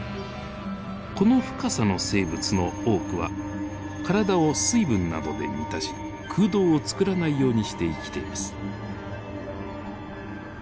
この深さの生物の多くは体を水分などで満たし空洞を作らないようにして生きています。